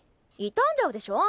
傷んじゃうでしょ。